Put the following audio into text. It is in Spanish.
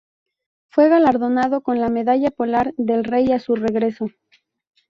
Fue galardonado con la Medalla Polar del Rey a su regreso.